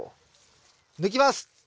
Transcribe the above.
抜きます。